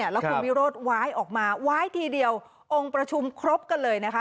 แล้วคุณวิโรธว้ายออกมาว้ายทีเดียวองค์ประชุมครบกันเลยนะคะ